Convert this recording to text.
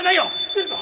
出るぞ！